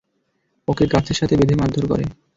ওকে গাছের সাথে বেঁধে মারধর করে।